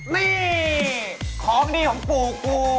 นี่ของดีของปู่กู